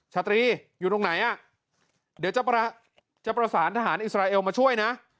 ชาตรีอยู่ตรงไหนอ่ะเดี๋ยวจะประสานทหารอิสราเอลมาช่วยนะ